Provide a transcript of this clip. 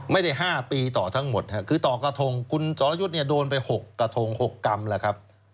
๕ปีต่อทั้งหมดคือต่อกระทงคุณสรยุทธ์เนี่ยโดนไป๖กระทง๖กรัมแล้วครับ